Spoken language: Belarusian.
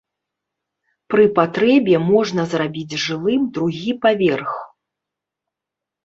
Пры патрэбе можна зрабіць жылым другі паверх.